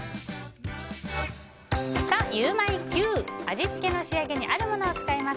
味付けの仕上げにあるものを使います。